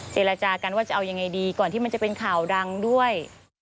เจรจากันว่าจะเอายังไงดีก่อนที่มันจะเป็นข่าวดังด้วย